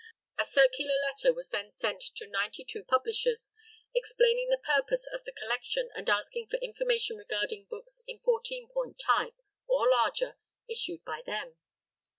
A circular letter was then sent to ninety two publishers, explaining the purpose of the collection and asking for information regarding books in fourteen point type, or larger, issued by them.